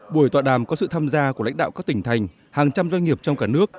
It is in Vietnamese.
buổi tọa đàm có sự tham gia của lãnh đạo các tỉnh thành hàng trăm doanh nghiệp trong cả nước